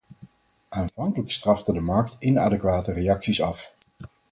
Aanvankelijk strafte de markt inadequate reacties af.